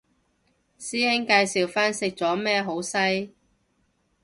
師兄介紹返食咗咩好西